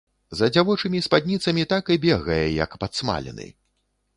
За дзявочымі спадніцамі так і бегае як падсмалены.